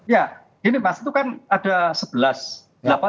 ya ini mas itu kan ada sepertinya